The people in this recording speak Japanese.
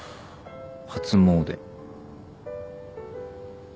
初詣。